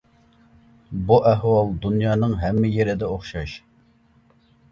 بۇ ئەھۋال دۇنيانىڭ ھەممە يېرىدە ئوخشاش.